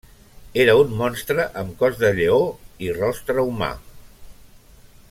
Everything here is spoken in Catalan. Era un monstre amb cos de lleó i rostre humà.